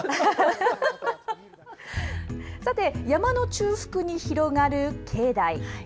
さて、山の中腹に広がる境内。